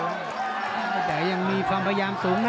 แต่ยังมีความพยายามสูงนะ